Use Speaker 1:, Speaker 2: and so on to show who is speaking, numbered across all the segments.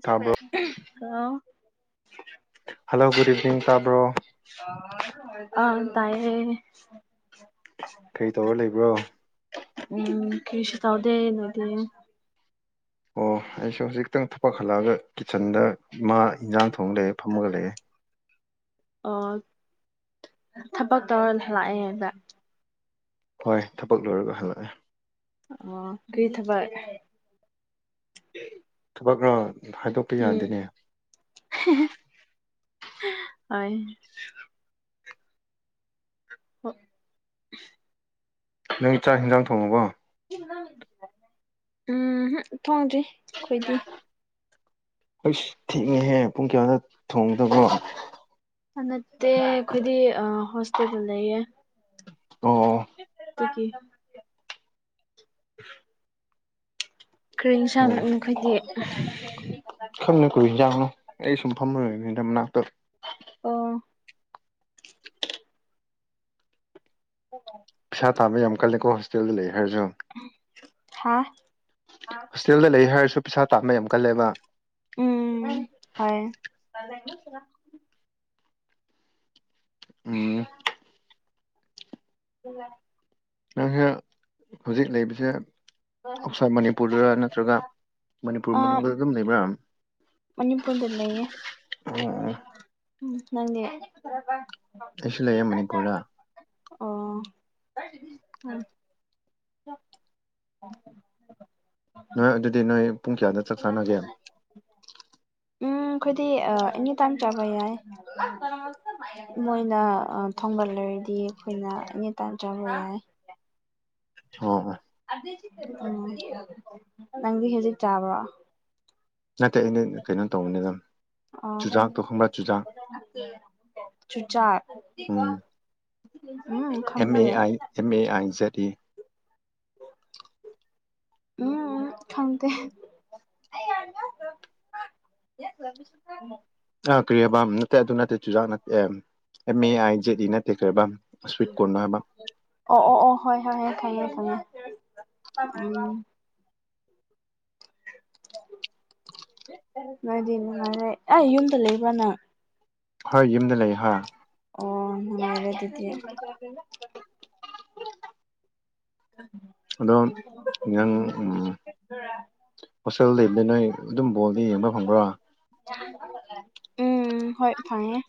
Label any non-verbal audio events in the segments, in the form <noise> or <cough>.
Speaker 1: ꯇꯥꯕ꯭ꯔꯣ
Speaker 2: ꯍꯥꯜꯂꯣ
Speaker 1: hello good evening ꯇꯥꯕ꯭ꯔꯣ
Speaker 2: ꯑ ꯇꯥꯏꯌꯦ
Speaker 1: ꯀꯔꯤ ꯇꯧꯔ ꯂꯩꯕ꯭ꯔꯣ
Speaker 2: ꯎꯝ ꯀꯁ ꯇꯥꯎꯗꯦ ꯅꯗꯤ
Speaker 1: ꯑꯣ ꯑꯩꯁꯨ ꯍꯧꯖꯤꯛꯇꯪ ꯊꯄꯛꯈꯜꯂꯛꯑꯒ ꯀꯤꯠꯆꯟꯗ ꯃꯥ ꯏꯟꯖꯥꯡ ꯊꯣꯡ ꯂꯩꯑꯦ ꯐꯝꯃꯒ ꯂꯩꯑꯦ
Speaker 2: ꯑꯣ ꯊꯕꯛ ꯇꯧꯔ ꯂꯥꯛꯑꯦ ꯍꯥꯏꯕ
Speaker 1: ꯍꯣꯏ ꯊꯕꯛ ꯂꯣꯏꯔꯒ ꯍꯜꯂꯛꯑꯦ
Speaker 2: ꯑꯣ ꯀꯏ ꯊꯕꯛ
Speaker 1: ꯊꯕꯛ ꯍꯥꯏꯗꯣꯛ
Speaker 2: ꯎꯝ ꯍꯣꯏ <unintelligible>
Speaker 1: ꯅꯪ ꯆꯥꯛ ꯌꯦ ꯍꯤꯟꯖꯥꯡ ꯊꯣꯡꯉꯕꯣ
Speaker 2: ꯎꯝ ꯍꯝ ꯊꯣꯡꯗ꯭ꯔꯤ ꯑꯩꯈꯣꯏꯗꯤ
Speaker 1: ꯑꯩꯁ ꯊꯦꯡꯉꯦꯍꯦ ꯄꯨꯡ ꯀꯌꯥꯗ ꯊꯣꯡꯗꯕꯣ
Speaker 2: ꯅꯠꯇꯦ ꯑꯩꯈꯣꯏꯗꯤ ꯍꯣꯁꯇꯦꯜꯗ ꯂꯩꯌꯦ
Speaker 1: ꯑꯣ
Speaker 2: ꯇꯗꯒꯤ ꯀꯔꯤꯦꯟ ꯁ
Speaker 1: ꯑꯣ
Speaker 2: ꯃꯈꯈꯣꯏꯗꯤ
Speaker 1: ꯈꯪꯅ ꯀꯨ ꯍꯤꯟꯖꯥꯡꯅꯣ ꯑꯩ ꯁꯨꯝ ꯐꯝꯃꯣꯏꯕ ꯍꯗ ꯃꯅꯥꯛꯇ
Speaker 2: ꯑꯣ ꯑꯣ
Speaker 1: ꯄꯩꯁꯥ ꯇꯥꯕ ꯌꯥꯝ ꯀꯜꯂꯦꯀꯣ ꯍꯣꯁꯇꯦꯜꯗ ꯂꯩ ꯍꯥꯏꯔꯁꯨ
Speaker 2: ꯍꯥꯥ
Speaker 1: ꯍꯣꯁꯇꯦꯜꯗ ꯂꯩ ꯍꯥꯏꯔꯁꯨ ꯄꯩꯁꯥ ꯇꯥꯥꯟꯕ ꯌꯥꯝ ꯀꯜꯂꯦꯕ
Speaker 2: ꯎꯝ ꯍ
Speaker 1: ꯎꯝ
Speaker 2: <inaudible> ꯎ
Speaker 1: ꯅꯪꯁꯦ ꯍꯧꯖꯤꯛ ꯂꯩꯕꯁꯦ ꯑꯥꯎꯠꯁꯥꯏꯠ ꯃꯅꯤꯄꯨꯔꯗ ꯅꯠꯇ꯭ꯔꯒ ꯃꯅꯤꯄꯨꯔ
Speaker 2: ꯑꯥ
Speaker 1: ꯃꯅꯨꯡꯗ ꯑꯗꯨꯝ ꯂꯩꯕ꯭ꯔꯥ
Speaker 2: ꯃꯅꯤꯄꯨꯔꯗ ꯂꯩꯌꯦ
Speaker 1: ꯑꯣ
Speaker 2: ꯅꯪꯗꯦ
Speaker 1: ꯑꯩꯁꯨ ꯂꯩꯌꯦ ꯃꯅꯤꯄꯨꯔꯗ
Speaker 2: ꯑꯣ <unintelligible> <inaudible>
Speaker 1: ꯅꯣꯏ ꯑꯗꯨꯗꯤ ꯅꯣꯏ ꯄꯨꯡ ꯀꯌꯥꯗ ꯆꯥꯛ ꯆꯥꯟꯅꯒꯦ
Speaker 2: ꯎꯝ ꯑꯩꯈꯣꯏꯗꯤ ꯑꯦꯅꯤ ꯇꯥꯏꯝ ꯆꯥꯕ ꯌꯥꯏ ꯃꯣꯏꯅ ꯊꯣꯡꯍꯜꯂꯦ ꯑꯩꯗꯤ ꯑꯩꯈꯣꯏꯅ ꯑꯦꯅꯤ ꯇꯥꯏꯝ ꯆꯕ ꯌꯥꯏ
Speaker 1: ꯍꯣꯏ ꯍꯣꯏ
Speaker 2: ꯎꯝ ꯅꯪꯗꯤ ꯍꯧꯖꯤꯛ ꯆꯥꯕ꯭ꯔꯣ
Speaker 1: ꯅꯠꯇꯦ ꯑꯩꯅ ꯀꯩꯅꯣ ꯇꯧꯕꯅꯤꯗ
Speaker 2: ꯑꯥ
Speaker 1: ꯆꯨꯖꯥꯛꯇꯣ ꯈꯪꯕ꯭ꯔꯥ ꯆꯨꯖꯥꯛ
Speaker 2: ꯆꯨꯆꯥꯔ
Speaker 1: ꯎꯝ
Speaker 2: ꯎꯝ
Speaker 1: ꯑꯦꯝ ꯑꯦ ꯑꯥ ꯑꯦꯝ ꯑꯦ ꯑꯥꯏꯖꯦꯠ ꯏ
Speaker 2: ꯎꯝ ꯈꯪꯗꯦ <unintelligible>
Speaker 1: ꯑꯥ ꯀ꯭ꯔꯤꯌꯦꯕꯝ ꯅꯠꯇꯦ ꯑꯗꯨ ꯅꯠꯇꯦ ꯆꯨꯖꯥꯛ ꯅꯠꯇꯦ ꯑꯦꯝ ꯑꯦ ꯑꯥꯏ ꯖꯦꯠ ꯏ ꯅꯠꯇꯦ ꯀꯩꯍꯥꯏꯕ ꯁ꯭ꯋꯤꯠ ꯀꯣꯔꯟ ꯍꯥꯏꯕ
Speaker 2: ꯑꯣ ꯑꯣ ꯑꯣ ꯍꯣꯏ ꯍꯣꯏ ꯍꯣꯏ ꯐꯪꯉꯦ ꯐꯪꯉꯦ ꯎꯝ ꯅꯣꯏꯗꯤ ꯅꯨꯡꯉꯥꯏꯔꯦ ꯑꯩ ꯌꯨꯝꯗ ꯂꯩꯕꯔꯥ ꯅꯪ
Speaker 1: ꯍꯣꯏ ꯌꯨꯝꯗ ꯂꯩ ꯍꯣꯏ
Speaker 2: ꯑꯣ ꯅꯨꯡꯉꯥꯏꯔꯦ ꯑꯗꯨꯗꯤ <inaudible>
Speaker 1: ꯑꯗꯣ ꯅꯪ ꯎꯝ ꯍꯣꯁꯦꯜ ꯂꯩꯕꯗꯤ ꯅꯣꯏ ꯑꯗꯨꯝ ꯕꯣꯜꯗꯤ ꯌꯦꯡꯕ ꯐꯪꯕ꯭ꯔꯥ
Speaker 2: ꯎꯝ ꯍꯣꯏ ꯐꯪꯉꯦ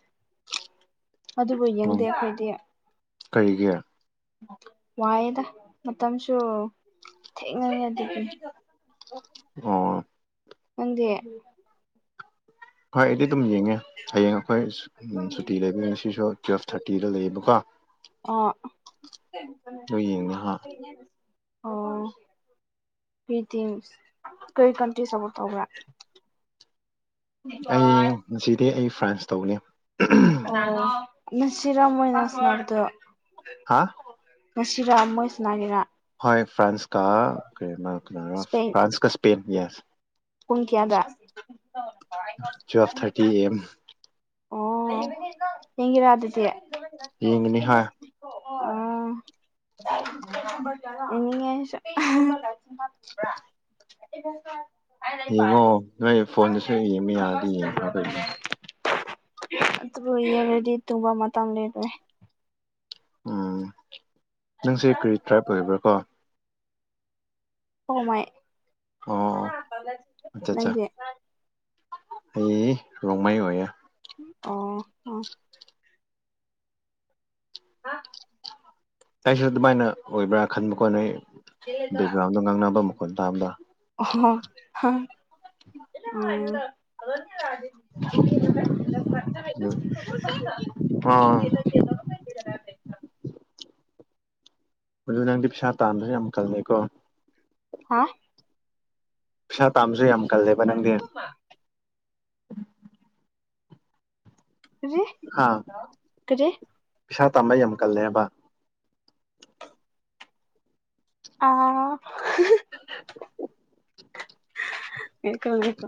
Speaker 2: ꯑꯗꯨꯕꯨ ꯌꯦꯡꯗꯦ ꯑꯩꯈꯣꯏꯗꯤ
Speaker 1: ꯀꯩꯒꯤ
Speaker 2: ꯋꯥꯏꯑꯦꯗ ꯃꯇꯝꯁꯨ ꯊꯦꯡꯅꯉꯗꯒꯤ
Speaker 1: <unintelligible>
Speaker 2: ꯅꯪꯗꯤ
Speaker 1: ꯍꯣꯏ ꯑꯩꯗꯤ ꯑꯗꯨꯝ ꯌꯦꯡꯉꯦ ꯍꯌꯦꯡ ꯑꯩꯈꯣꯏ ꯁꯨꯇꯤ ꯁꯨꯇꯤ ꯂꯩꯕ ꯉꯁꯤꯁꯨ ꯇꯨꯋꯦꯜꯐ ꯊꯥꯔꯇꯤꯗ ꯂꯩꯌꯦꯕꯀꯣ
Speaker 2: ꯑꯥ
Speaker 1: ꯅꯣꯏ ꯌꯦꯡꯅ ꯍꯥ
Speaker 2: ꯑꯣ ꯀ꯭ꯔꯤꯇꯤꯡ ꯀꯔꯤ ꯀꯟꯇꯦꯁ ꯑꯃꯨꯛ ꯇꯧꯕ꯭ꯔꯥ
Speaker 1: ꯑꯩ ꯉꯁꯤꯗꯤ ꯑꯩ ꯐ꯭ꯔꯥꯟꯁ ꯇꯧꯅꯤ
Speaker 2: ꯑ ꯉꯁꯤꯔꯥ ꯃꯣꯏꯅ ꯁꯅꯥꯕꯗꯨ
Speaker 1: ꯍꯥ
Speaker 2: ꯉꯁꯤꯔꯥ ꯃꯣꯏ ꯁꯅꯥꯅꯤꯅꯥ
Speaker 1: ꯍꯣꯏ ꯐ꯭ꯔꯥꯟꯁ ꯀꯥ ꯀꯔꯤꯅꯣ ꯀꯅꯥꯔꯥ
Speaker 2: ꯏꯁꯄꯦꯟ
Speaker 1: ꯐ꯭ꯔꯥꯟꯁ ꯀꯥ ꯁ꯭ꯄꯦꯟꯒꯥ ꯌꯦꯁ
Speaker 2: ꯄꯨꯡ ꯀꯌꯥꯗꯥ
Speaker 1: twelve thirty A M
Speaker 2: O ꯌꯦꯡꯒꯦꯔꯥ ꯑꯗꯨꯗꯤ
Speaker 1: ꯌꯦꯡꯉꯤꯅꯤ ꯍꯥ
Speaker 2: <unintelligible> <unintelligible> ꯅꯤꯡꯉꯦ
Speaker 1: ꯌꯦꯡꯉꯣ ꯅꯣꯏ
Speaker 2: ꯑꯩꯁꯨ
Speaker 1: ꯐꯣꯟꯗꯁꯨ ꯌꯦꯡꯕ ꯌꯥꯔꯗꯤ ꯌꯦꯡꯈ꯭ꯔꯣ ꯀꯩꯅꯣ
Speaker 2: <unintelligible> ꯑꯗꯨꯕꯨ ꯌꯦꯡꯔꯗꯤ ꯇꯨꯝꯕ ꯃꯇꯝ ꯂꯩꯇ꯭ꯔꯦ
Speaker 1: ꯎꯝ ꯅꯪꯁꯦ ꯀꯔꯤ ꯇ꯭ꯔꯥꯏꯞ ꯑꯣꯏꯕ꯭ꯔꯥ ꯀꯣ
Speaker 2: ꯍꯣꯃꯩ
Speaker 1: ꯑꯣ ꯑꯠꯆꯥ ꯑꯠꯆꯥ
Speaker 2: ꯅꯪꯗꯤ
Speaker 1: ꯑꯩ ꯔꯣꯡꯃꯩ ꯑꯣꯏꯌꯦ
Speaker 2: ꯑꯣ ꯑꯣ ꯍꯥ
Speaker 1: ꯑꯩꯁꯨ ꯑꯗꯨꯃꯥꯏꯅ ꯑꯣꯏꯕ꯭ꯔꯥ ꯈꯟꯕꯀꯣ ꯅꯣꯏ ꯕꯦꯛꯒ꯭ꯔꯥꯎꯟꯗꯣ ꯉꯥꯡꯅꯕ ꯃꯈꯣꯟ ꯇꯥꯕꯗꯥ
Speaker 2: <unintelligible>
Speaker 1: ꯑꯗꯨ
Speaker 2: <unintelligible>
Speaker 1: ꯑꯥ
Speaker 2: <unintelligible>
Speaker 1: ꯑꯗꯨ ꯅꯪꯗꯤ ꯄꯩꯁꯥ ꯇꯥꯟꯕꯁꯨ ꯌꯥꯝ ꯀꯟꯂꯦꯀꯣ
Speaker 2: ꯍꯣꯏ
Speaker 1: ꯄꯩꯁꯥ ꯇꯥꯟꯕꯁꯨ ꯌꯥꯝ ꯀꯜꯂꯦꯕ ꯅꯪꯗꯤ
Speaker 2: ꯀꯔꯤ
Speaker 1: ꯍꯥ
Speaker 2: ꯀꯥꯔꯤ
Speaker 1: ꯄꯩꯁꯥ ꯇꯝꯕ ꯌꯥꯝ ꯀꯜꯂꯦ ꯍꯥꯏꯕ
Speaker 2: ꯑꯥ
Speaker 1: <inaudible>
Speaker 2: ꯉꯥꯏꯈꯣ ꯉꯥꯏꯈꯣ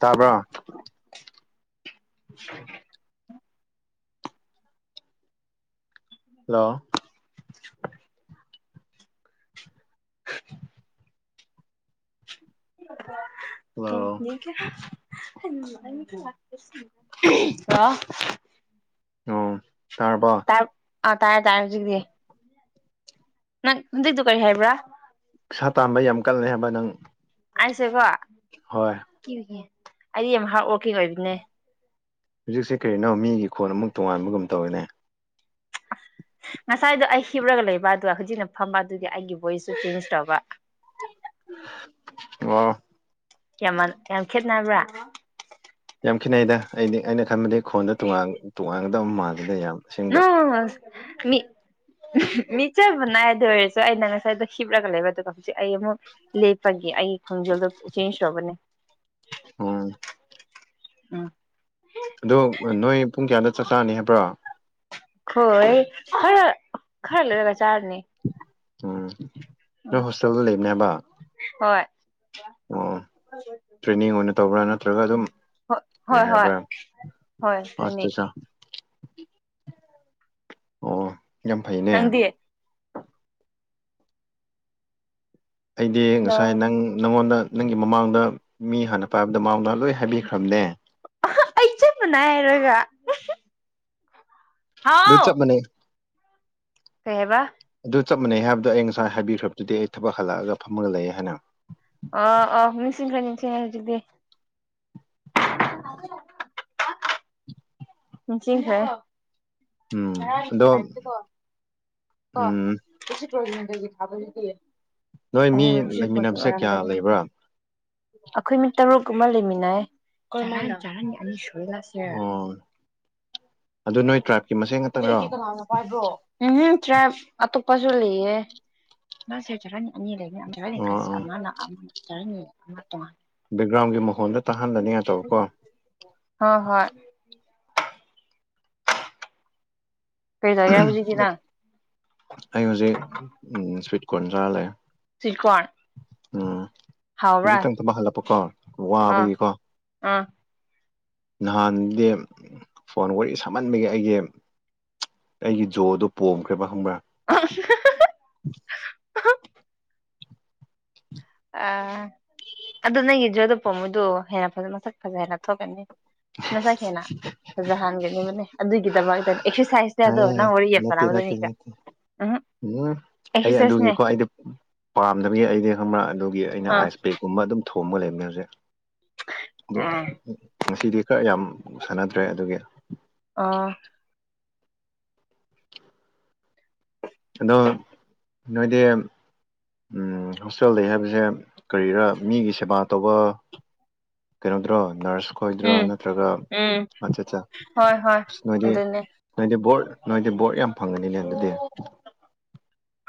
Speaker 1: ꯇꯥꯕ꯭ꯔꯣ ꯍꯜꯂꯣ
Speaker 2: <inaudible> <inaudible> <unintelligible>
Speaker 1: ꯍꯜꯂꯣ
Speaker 2: <unintelligible> ꯍꯜꯂꯣ
Speaker 1: ꯑꯣ ꯇꯥꯔꯕꯣ
Speaker 2: ꯇꯥꯏ ꯑꯥ ꯇꯥꯏꯔꯦ ꯇꯥꯏꯔꯦ ꯍꯧꯖꯤꯛꯗꯤ ꯅꯪ ꯍꯧꯖꯤꯛꯇꯣ ꯀꯔꯤ ꯍꯥꯏꯕ꯭ꯔꯥ
Speaker 1: ꯄꯩꯁꯥ ꯇꯥꯟꯕ ꯌꯥꯝ ꯀꯜꯂꯦ ꯍꯥꯏꯕ ꯅꯪ
Speaker 2: ꯑꯥꯏꯁꯦ ꯀꯣ
Speaker 1: ꯍꯣꯏ
Speaker 2: ꯑꯩꯗꯤ ꯌꯥꯝ ꯍꯥꯔꯠ ꯋꯣꯔꯀꯤꯡ ꯑꯣꯏꯕꯅꯦ
Speaker 1: ꯍꯧꯖꯤꯛꯁꯦ ꯀꯔꯤꯅꯣ ꯃꯤꯒꯤ ꯈꯣꯟ ꯑꯃꯨꯛ ꯇꯣꯉꯥꯟꯕꯒꯨꯝ ꯇꯧꯔꯤꯅꯦ
Speaker 2: ꯉꯁꯥꯏꯗꯣ ꯑꯩ ꯍꯤꯞꯔꯒ ꯂꯩꯕ ꯑꯗꯨꯒ ꯍꯧꯖꯤꯛꯅ ꯐꯝꯕ ꯑꯗꯨꯒꯤ ꯑꯩꯒꯤ ꯚꯣꯏꯁꯁꯨ ꯆꯦꯟꯖ ꯇꯧꯕ
Speaker 1: ꯑꯣ
Speaker 2: ꯌꯥꯝ ꯌꯥꯝ ꯈꯦꯠꯅꯕ꯭ꯔꯥ
Speaker 1: ꯌꯥꯝ ꯈꯤꯠꯅꯩꯗ ꯑꯩꯗꯤ ꯑꯩꯅ ꯈꯟꯕꯗꯤ ꯈꯣꯟꯗꯣ ꯇꯣꯉꯥ ꯇꯣꯉꯥꯟꯒꯗꯕ ꯃꯥꯜꯂꯤꯗ ꯌꯥꯝ ꯑꯁꯦꯡꯕ
Speaker 2: ꯅꯣ ꯃꯤ ꯃꯤꯆꯞ ꯃꯥꯟꯅꯩ ꯑꯗꯨ ꯑꯣꯏꯔꯁꯨ ꯑꯩꯅ ꯉꯁꯥꯏꯗ ꯍꯤꯞꯂꯒ ꯂꯩꯕ ꯑꯗꯨꯒ ꯍꯧꯖꯤꯛ ꯑꯩ ꯑꯃꯨꯛ ꯂꯦꯞꯄꯒꯤ ꯑꯩꯒꯤ ꯈꯣꯡꯖꯦꯜꯗꯣ ꯆꯦꯟ ꯇꯧꯕꯅꯦ
Speaker 1: ꯑꯝ
Speaker 2: ꯎꯝ
Speaker 1: ꯑꯗꯣ ꯅꯣꯏ ꯄꯨꯡ ꯀꯌꯥꯗ ꯆꯥꯛ ꯆꯅꯤ ꯍꯥꯏꯕ꯭ꯔꯣ
Speaker 2: ꯈꯣꯏ ꯈꯔ ꯈꯔ ꯂꯩꯔꯒ ꯆꯥꯔꯅꯤ
Speaker 1: ꯎꯝ ꯅꯣꯏ ꯍꯣꯁꯇꯦꯜꯗ ꯂꯩꯕꯅꯦ ꯍꯥꯏꯕ
Speaker 2: ꯍꯣꯏ
Speaker 1: ꯑꯣ ꯇ꯭ꯔꯦꯅꯤꯡ ꯑꯣꯏꯅ ꯇꯧꯕ꯭ꯔꯥ ꯅꯠꯇ꯭ꯔꯒ ꯑꯗꯨꯝ
Speaker 2: ꯍꯣꯏ ꯍꯣꯏ ꯍꯣꯏ
Speaker 1: ꯑꯦꯦꯕ
Speaker 2: ꯍꯣꯏ ꯑꯗꯨꯅꯤ
Speaker 1: ꯑꯁꯇ ꯆ ꯑꯣ ꯌꯥꯝ ꯌꯥꯝ ꯐꯩꯅꯦ
Speaker 2: ꯅꯪꯗꯤ
Speaker 1: ꯑꯩꯗꯤ
Speaker 2: ꯑꯩ
Speaker 1: ꯉꯁꯥꯏ ꯅꯪ ꯅꯪꯉꯣꯟꯗ ꯅꯪꯒꯤ ꯃꯃꯥꯡꯗ ꯃꯤ ꯍꯥꯟꯅ ꯄꯥꯏꯕꯗ ꯃꯃꯥꯡꯗ ꯂꯣꯏ ꯍꯥꯏꯕꯤꯈ꯭ꯔꯕꯅꯦ
Speaker 2: ꯑꯩ ꯆꯠ ꯃꯅꯥꯏ ꯍꯥꯏꯔꯒ
Speaker 1: ꯔꯨꯆꯞ ꯃꯅꯦ
Speaker 2: ꯀꯦꯍꯦꯕ
Speaker 1: ꯑꯗꯨ ꯆꯞ ꯃꯅꯩ ꯍꯥꯏꯕꯗ ꯑꯩ ꯉꯁꯥꯏ ꯍꯥꯏꯕꯤꯈ꯭ꯔꯗꯨꯗꯤ ꯑꯩ ꯊꯕꯛ ꯍꯜꯂꯛꯑꯒ ꯐꯝꯃꯒ ꯂꯩꯑꯌꯦ ꯍꯥꯏꯅ
Speaker 2: ꯑ ꯑ ꯃꯤꯁꯤꯡꯁ ꯅꯤꯡꯁꯦ ꯍꯧꯖꯤꯛꯇꯗꯤ ꯔꯁꯤꯀꯣ
Speaker 1: ꯎꯝ ꯑꯗꯣ
Speaker 2: ꯀꯣ ꯀ
Speaker 1: ꯎꯝ
Speaker 2: ꯄ꯭ꯔꯣꯖꯗꯗꯤ ꯊꯥꯕꯗꯤꯦ
Speaker 1: ꯅꯣꯏ ꯃꯤ ꯂꯩꯃꯤꯟꯅꯕꯁꯦ ꯀꯌꯥ ꯂꯩꯕ꯭ꯔꯥ
Speaker 2: ꯑꯩꯈꯣꯏ ꯃꯤ ꯇꯔꯨꯛ ꯑꯃ ꯂꯩꯃꯤꯟꯅꯩ ꯁ
Speaker 1: ꯑꯣ ꯑꯗꯨ ꯅꯣꯏ ꯇ꯭ꯔꯥꯏꯞꯀꯤ ꯃꯁꯦꯟ
Speaker 2: ꯁꯤꯗ
Speaker 1: ꯉꯥꯛꯇꯪꯔꯣ
Speaker 2: ꯑꯩꯒꯤꯦ
Speaker 1: ꯑꯣ
Speaker 2: ꯀꯅꯥꯅ ꯄꯥꯏꯕ꯭ꯔꯣ ꯎꯝꯇ꯭ꯔꯦ ꯑꯇꯣꯞꯄꯁꯨ ꯂꯩꯌꯦ ꯑꯅꯤ ꯂꯩꯅꯤ ꯇꯔꯅꯤ ꯈ꯭ꯔꯁꯦ
Speaker 1: ꯑꯣ
Speaker 2: ꯑꯃꯅ ꯑꯃ ꯇꯔꯅꯤ ꯑꯃ ꯇꯣꯉꯥꯟꯅꯤ
Speaker 1: ꯕꯦꯛꯒ꯭ꯔꯥꯎꯟꯒꯤ ꯃꯈꯣꯟꯜꯗ ꯇꯥꯍꯟꯗꯅꯤꯡꯉꯥꯏꯇꯕꯀꯣ
Speaker 2: ꯍ ꯍꯣꯏ ꯀꯔꯤ ꯇꯧꯒꯦꯔꯥ ꯍꯧꯖꯤꯛꯇꯤ ꯅꯪ
Speaker 1: ꯑꯩ ꯍꯧꯖꯤꯛ ꯁ꯭ꯋꯤꯠ ꯀꯣꯔꯟ ꯆꯥꯔ ꯂꯩꯦ
Speaker 2: ꯆꯀꯋꯥꯅꯤ
Speaker 1: ꯎꯝ ꯍꯧꯖꯤꯛꯇꯪꯊꯕ ꯍꯜꯂꯛꯄꯀꯣ
Speaker 2: ꯑꯥ
Speaker 1: ꯋꯥꯕꯒꯤꯀꯣ
Speaker 2: ꯑꯥ
Speaker 1: ꯅꯍꯥꯟꯗꯤ ꯐꯣꯟ ꯋꯥꯔꯤ ꯁꯥꯝꯃꯟꯕꯒꯤ ꯑꯩꯒꯤ ꯑꯩꯒꯤ ꯖꯣꯗꯨꯣ ꯄꯣꯝꯈ꯭ꯔꯦꯕ ꯈꯪꯕ꯭ꯔꯥ
Speaker 2: <unintelligible> ꯑ ꯑꯗꯨ ꯅꯪꯒꯤ ꯖꯣꯗ ꯄꯣ ꯃꯣꯏꯗꯣ ꯍꯦꯟꯅꯖ ꯃꯁꯛ ꯐꯖ ꯍꯦꯟꯅ ꯊꯣꯛꯀꯅꯤ ꯃꯁ ꯍꯦꯅ ꯐꯖꯍꯟꯒꯅꯤꯕꯅꯦ ꯑꯗꯨꯒꯤꯗꯃꯛꯇ ꯑꯦꯛꯁꯔꯁꯥꯏꯁ
Speaker 1: ꯍꯥꯏ ꯅꯠꯇꯦ ꯅꯠꯇꯦ ꯅꯠꯇꯦ
Speaker 2: ꯎꯝ
Speaker 1: ꯎꯝ ꯑꯩ
Speaker 2: ꯑꯦꯛꯁꯔꯁꯥꯏꯁꯅꯦ
Speaker 1: ꯑꯗꯨꯒꯤꯀꯣ ꯑꯩꯗꯤ ꯄꯥꯝꯗꯕꯤꯒꯤ ꯑꯩꯗꯤ ꯈꯪꯕ꯭ꯔꯥ ꯑꯗꯨꯒꯤ ꯑꯩꯅ
Speaker 2: ꯑꯥ
Speaker 1: ꯑꯥꯏꯁ ꯄꯕꯦꯛꯀꯨꯝꯕ ꯑꯗꯨꯝ ꯊꯣꯡꯕ ꯂꯩꯕꯅꯦ ꯍꯧꯖꯤꯛ ꯑ
Speaker 2: ꯑꯥ
Speaker 1: ꯉꯁꯤꯗꯤ ꯈꯔ ꯌꯥꯝ ꯁꯥꯟꯅꯗ꯭ꯔꯦ ꯑꯗꯨꯒꯤ
Speaker 2: ꯑꯥ
Speaker 1: ꯑꯗꯣ ꯅꯣꯏꯗꯤ ꯍꯣꯁꯇꯦꯜ ꯂꯩ ꯍꯥꯏꯕꯁꯦ ꯀꯔꯤꯔꯥ ꯃꯤꯒꯤ ꯁꯦꯕꯥ ꯇꯧꯕ ꯀꯩꯅꯣꯗ꯭ꯔꯣ ꯅꯔꯁ ꯈꯣꯏꯗ꯭ꯔꯣ
Speaker 2: ꯎꯝ
Speaker 1: ꯅꯠꯇ꯭ꯔꯒ
Speaker 2: ꯎꯝ
Speaker 1: ꯃꯆꯠꯠ ꯑ
Speaker 2: ꯍꯣꯏ ꯍꯣꯏ
Speaker 1: ꯅꯣꯏꯗꯤ
Speaker 2: ꯑꯗꯨꯅꯦ
Speaker 1: ꯅꯣꯏꯗꯤ ꯕꯣꯔꯠ ꯅꯣꯏꯗꯤ ꯕꯣꯔꯠ ꯌꯥꯝ ꯐꯪꯉꯅꯤꯅꯦ ꯑꯗꯨꯗꯤ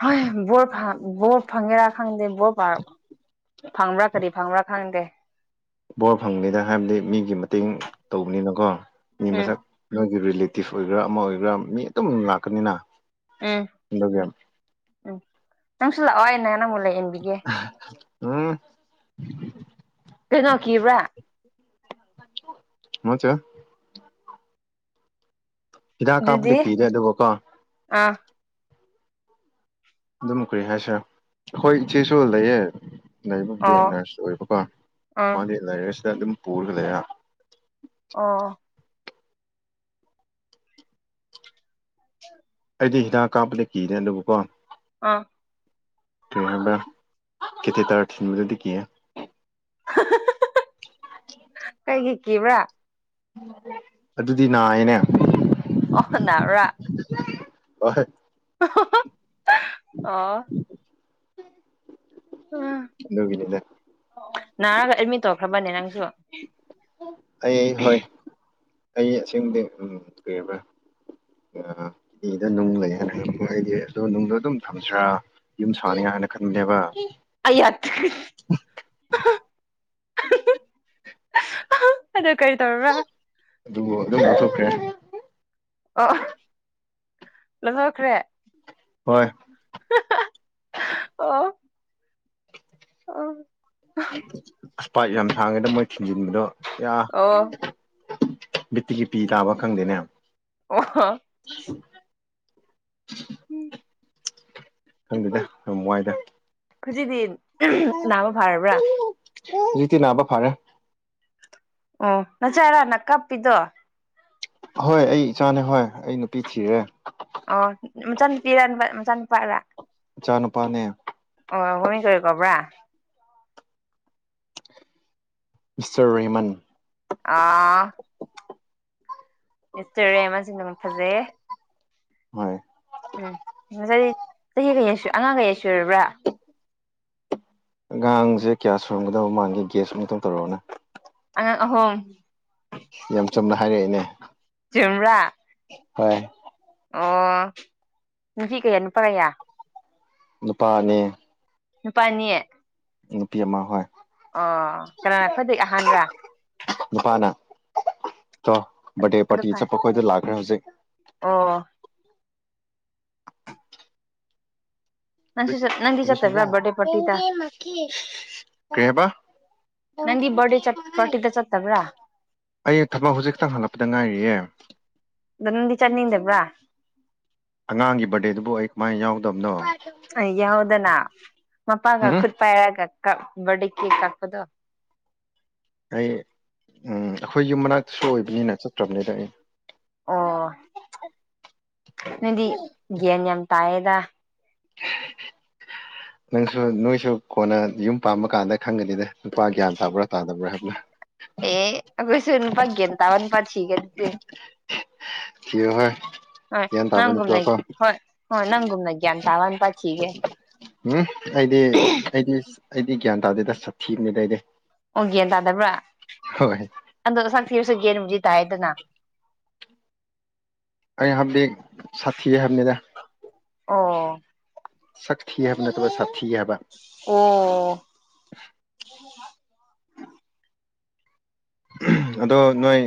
Speaker 2: ꯍꯣꯏ ꯕ ꯕꯣꯔꯠ ꯐꯪꯒꯦꯔꯥ ꯈꯪꯗꯦ ꯣ ꯄꯥ ꯐꯪꯕ꯭ꯔꯥ ꯀꯗꯤ ꯐꯪꯕ꯭ꯔꯥ ꯈꯪꯒꯦ
Speaker 1: ꯕꯣꯔ ꯐꯪꯕꯅꯤꯗ ꯍꯥꯏꯕꯗꯤ ꯃꯤꯒꯤ ꯃꯇꯦꯡ ꯇꯧꯕꯅꯤꯅꯀꯣ ꯃꯤ
Speaker 2: ꯎꯝ
Speaker 1: ꯃꯁꯛ ꯅꯣꯏꯒꯤ ꯔꯤꯂꯦꯇꯤꯞ ꯑꯣꯏꯒ꯭ꯔꯥ ꯑꯃ ꯑꯣꯏꯒꯦꯔꯥ ꯃꯤ ꯑꯗꯨꯝ ꯂꯥꯛꯀꯅꯤꯅ
Speaker 2: ꯎꯝ
Speaker 1: ꯑꯗꯨꯒꯤ
Speaker 2: ꯎꯝ ꯅꯪꯁꯨ ꯂꯥꯛꯑꯣ ꯑ ꯅ ꯅꯪꯕꯨꯨ ꯂꯩꯌꯦꯟꯕꯤꯒꯦ
Speaker 1: ꯎꯝ <unintelligible>
Speaker 2: ꯀꯩꯅꯣ ꯀꯕ꯭ꯔꯥ
Speaker 1: ꯃꯆꯥ ꯍꯤꯗꯥꯛ ꯀꯥꯞꯄꯗ
Speaker 2: ꯑꯗꯨꯗꯤ
Speaker 1: ꯀꯤꯔꯦ ꯑꯗꯨꯒ ꯀꯣ
Speaker 2: ꯑꯥ
Speaker 1: ꯑꯗꯨꯝ ꯀꯨꯏ ꯍꯥꯏꯁꯦ ꯍꯣꯏ ꯏꯆꯦꯁꯨ ꯂꯩꯌꯦꯦ ꯂꯩꯕꯕꯨꯗꯤ
Speaker 2: ꯑꯣ
Speaker 1: ꯅꯔꯁ ꯑꯣꯏꯕꯀꯣ
Speaker 2: ꯑꯥ
Speaker 1: ꯃꯥꯗꯤ ꯂꯥꯏꯔꯤꯛ ꯑꯁꯤꯗ ꯑꯗꯨꯝ ꯄꯨꯔꯒ ꯂꯩꯔꯦ
Speaker 2: ꯑ
Speaker 1: ꯑꯩꯗꯤ ꯍꯤꯗꯥꯛ ꯀꯥꯞꯄꯅꯦ ꯀꯤꯅꯦ ꯑꯗꯨꯕꯨꯄꯥ
Speaker 2: ꯑꯥ
Speaker 1: ꯀꯩ ꯍꯥꯏꯕ ꯀꯇꯦꯇꯥꯔ ꯊꯤꯟꯕꯗꯨꯗꯤ ꯀꯤꯌꯦ
Speaker 2: ꯀꯩꯒꯤ ꯀꯤꯕ꯭ꯔꯥ
Speaker 1: ꯑꯗꯨꯗꯤ ꯅꯥꯏꯌꯦꯅꯦ
Speaker 2: ꯑꯣ ꯅꯕ꯭ꯔꯥ
Speaker 1: ꯑꯣꯍꯣꯏ
Speaker 2: ꯑꯣ ꯑꯥ
Speaker 1: ꯑꯗꯨꯒꯤꯅꯤꯗ
Speaker 2: ꯅꯥꯔꯒ ꯑꯦꯗꯃꯤꯠ ꯇꯧꯈ꯭ꯔꯥꯕꯅꯦ ꯅꯪꯁꯨ
Speaker 1: ꯑꯩ ꯍꯣꯏ ꯑꯩ ꯑꯁꯦꯡꯕꯗꯤ ꯀꯩꯕ꯭ꯔꯥ ꯑ ꯏꯗ ꯅꯨꯡ ꯂꯩꯌꯦ ꯍꯪꯉꯛ ꯅꯤꯉꯥꯏꯒꯤ ꯑꯗꯣ ꯅꯨꯡꯗꯣ ꯑꯗꯨꯝ ꯊꯝꯁꯤ꯭ꯔꯥ ꯌꯨꯝ ꯁꯥꯅꯤꯉꯥꯏ ꯍꯥꯏꯅ ꯈꯟꯕꯅꯦꯕ
Speaker 2: ꯑꯌꯥ ꯑꯗꯣ ꯀꯔꯤ ꯇꯧꯔꯕ꯭ꯔꯥ
Speaker 1: ꯑꯗꯨꯕꯨ ꯑꯗꯨꯝ ꯂꯧꯊꯣꯛꯈ꯭ꯔꯦ
Speaker 2: ꯑꯣ ꯂꯣꯏꯊꯣꯛꯈ꯭ꯔꯦ
Speaker 1: ꯍꯣꯏ
Speaker 2: ꯑꯣ ꯑꯣ
Speaker 1: ꯑꯁ ꯄꯥꯥꯏꯞ ꯌꯥꯝ ꯁꯥꯡꯉꯦꯗ ꯃꯣꯏ ꯊꯤꯟꯖꯤꯟꯕꯗꯣ ꯌꯥ
Speaker 2: ꯑꯣ
Speaker 1: ꯃꯤꯠꯇꯒꯤ ꯄꯤ ꯇꯥꯕ ꯈꯪꯗꯦꯅꯦ
Speaker 2: ꯑꯣ ꯍꯣ
Speaker 1: <unintelligible>
Speaker 2: ꯎꯝ
Speaker 1: ꯈꯪꯗꯦꯗ ꯌꯥꯝ ꯋꯥꯏꯗ
Speaker 2: ꯈꯨꯖꯤꯗꯤ ꯅꯥꯕ ꯐꯔꯥꯕ꯭ꯔꯥ
Speaker 1: ꯍꯧꯖꯤꯛꯇꯤ ꯅꯥꯕ ꯐꯔꯦ
Speaker 2: ꯑꯣ ꯅꯆꯥꯥꯏꯔꯥꯅ ꯀꯞꯄꯤꯗꯣ
Speaker 1: ꯍꯣꯏ ꯑꯩ ꯏꯆꯥꯅꯦ ꯍꯣꯏ ꯑꯩ ꯅꯨꯄꯤ ꯊꯤꯔꯦ
Speaker 2: ꯑꯣ ꯃꯆꯥ ꯅꯨꯨꯄꯤꯔꯥꯄꯥ ꯃꯆꯥꯅꯨꯄꯥꯔꯥ
Speaker 1: ꯃꯆꯥ ꯅꯨꯨꯄꯥꯅꯦ
Speaker 2: ꯑꯣ ꯍꯣꯔꯤꯟ ꯀꯔꯤ ꯀꯣꯕ꯭ꯔꯥ
Speaker 1: ꯃꯤꯁꯇꯔ ꯔꯦꯍꯦꯃꯟ
Speaker 2: ꯑꯥ ꯃꯤꯁꯇ꯭ꯔ ꯁꯤꯡꯅꯃꯛ ꯐꯖꯩꯌꯦ
Speaker 1: ꯍꯣꯏ
Speaker 2: ꯎꯝ ꯉꯁꯥꯏ ꯆꯍꯤ ꯀꯩ ꯑꯉꯥꯡ ꯀꯩꯌꯥ ꯁꯨꯔꯥꯕ꯭ꯔꯥ
Speaker 1: ꯑꯉꯥꯡꯖꯦ ꯀꯌꯥ ꯁꯨꯔꯝꯒꯗꯕ ꯃꯥꯟꯒꯦ ꯒꯦꯁ ꯑꯃꯨꯛꯇꯪ ꯇꯧꯔꯛꯑꯣꯅꯦ
Speaker 2: ꯑꯉꯥꯡ ꯑꯍꯨꯝ
Speaker 1: ꯌꯥꯝ ꯆꯨꯝꯅ ꯍꯥꯏꯔꯛꯏꯅꯦ
Speaker 2: ꯆꯨꯝꯕ꯭ꯔ
Speaker 1: ꯍꯣꯏ
Speaker 2: ꯑꯣ ꯅꯨꯄꯤ ꯀꯌꯥ ꯅꯨꯄꯥ ꯀꯌꯥ
Speaker 1: ꯅꯨꯄꯥ ꯑꯅꯤ
Speaker 2: ꯅꯨꯄꯥ ꯑꯅꯤ
Speaker 1: ꯅꯨꯄꯤ ꯑꯃ ꯍꯣꯏ
Speaker 2: ꯑꯣ ꯀꯅꯥꯅ ꯈꯣꯏꯗꯩ ꯑꯍꯥꯟꯔꯥ
Speaker 1: ꯅꯨꯄꯥꯅ ꯀꯣ ꯕ꯭ꯥꯔꯠꯗꯦ
Speaker 2: ꯑꯗꯨ
Speaker 1: ꯄꯥꯔꯇꯤ
Speaker 2: ꯐꯔꯦ
Speaker 1: ꯆꯠꯄ ꯈꯣꯏꯗꯣ ꯂꯥꯛꯅꯦ ꯍꯧꯖꯤꯛ
Speaker 2: ꯑꯣ ꯅꯪꯁꯨ ꯅꯪꯗꯤ ꯆꯠꯇꯕ꯭ꯔꯥ ꯕꯥꯔꯗꯦ ꯄꯥꯔꯇꯤꯗ
Speaker 1: <unintelligible> ꯀꯩ ꯑꯕꯥ
Speaker 2: ꯅꯪꯗꯤ ꯕ꯭ꯔꯗꯦ ꯆꯠ ꯄ꯭ꯔꯇꯤꯗ ꯆꯠꯇꯕ꯭ꯔꯥ
Speaker 1: ꯑꯩ ꯊꯕꯛ ꯍꯧꯖꯤꯛ ꯈꯤꯇꯪ ꯍꯜꯂꯛꯄꯗ ꯉꯥꯏꯔꯤꯌꯦ
Speaker 2: ꯅꯗꯤ ꯆꯠꯅꯤꯡꯗꯕ꯭ꯔꯥ
Speaker 1: ꯑꯉꯥꯡꯒꯤ ꯕꯥꯔꯗꯦꯗꯨꯕꯨ ꯑꯩ ꯀꯃꯥꯏꯅ ꯌꯥꯎꯗꯕꯅꯣ
Speaker 2: ꯑꯦ ꯌꯥꯎꯗꯅꯥ ꯃꯄꯥꯒ
Speaker 1: ꯎꯝ
Speaker 2: ꯈꯨꯠ ꯄꯥꯏꯔꯒ ꯀꯞ ꯕꯔꯗꯦ ꯀꯦꯛ ꯀꯛꯄꯗꯣ
Speaker 1: ꯑꯩ ꯑꯩꯈꯣꯏ ꯌꯨꯝ ꯃꯅꯥꯛꯇꯁꯨ ꯑꯣꯏꯕꯅꯤꯅ ꯆꯠꯇ꯭ꯔꯕꯅꯤꯗ ꯑꯩ
Speaker 2: ꯑꯣ ꯅꯪꯗꯤ ꯒ꯭ꯌꯥꯟ ꯌꯥꯝ ꯇꯥꯏꯌꯦꯗ
Speaker 1: ꯅꯪꯁꯨ ꯅꯣꯏꯁꯨ ꯀꯣꯟꯅ ꯌꯨꯝ ꯄꯥꯝꯕ ꯀꯥꯟꯗ ꯈꯪꯒꯅꯤꯗ ꯅꯨꯄꯥ ꯒ꯭ꯌꯥꯟ ꯇꯥꯕ꯭ꯔꯥ ꯇꯥꯗꯕ꯭ꯔꯥ ꯍꯥꯏꯕꯅ
Speaker 2: ꯑꯦ ꯑꯩꯈꯣꯏꯁꯨ ꯅꯄꯥ ꯒꯦꯟꯇꯥꯕ ꯅꯨꯄꯥ ꯊꯤꯒꯦ ꯑꯗꯨꯗꯤ
Speaker 1: ꯊꯤꯌꯨ ꯍꯦ
Speaker 2: ꯍꯣꯏ ꯅꯪꯒꯨꯝꯅ ꯍꯣꯏ ꯍꯣꯏ ꯅꯪꯒꯨꯝꯅ ꯒ꯭ꯌꯥꯟ ꯇꯥꯕ ꯅꯨꯄꯥ ꯊꯤꯒꯦ
Speaker 1: ꯎꯝ ꯑꯩꯗꯤ ꯑꯩꯗꯤ ꯑꯩꯗꯤ ꯒ꯭ꯌꯥꯟ ꯇꯥꯗꯦꯗ ꯁꯥꯊꯤꯕꯅꯤꯗ ꯑꯩꯗꯤ
Speaker 2: ꯑꯣ ꯒ꯭ꯌꯥꯟ ꯇꯥꯗꯕ꯭ꯔꯥ
Speaker 1: ꯍꯣꯏ
Speaker 2: ꯑꯗꯣ ꯁꯛ ꯊꯤꯔꯁꯨ ꯒ꯭ꯌꯥꯟꯕꯨꯗꯤ ꯇꯥꯏꯌꯦꯗꯅ
Speaker 1: ꯑꯩꯅ ꯍꯥꯏꯕꯗꯤ ꯁꯥꯊꯤꯌꯦ ꯍꯥꯏꯕꯅꯤꯗ
Speaker 2: ꯑꯣ
Speaker 1: ꯁꯛꯊꯤꯌꯦ ꯍꯥꯏꯕ ꯅꯠꯇꯕ ꯁꯥꯊꯤꯌꯦ ꯍꯥꯏꯕ
Speaker 2: ꯑꯣ <inaudible>
Speaker 1: ꯑꯗꯣ ꯅꯣꯏ